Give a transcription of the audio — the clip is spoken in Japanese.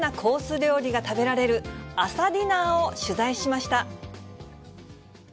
料理が食べられる、朝ディナーを取材しました。